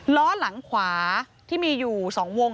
ล้อหลังขวาที่มีอยู่๒วง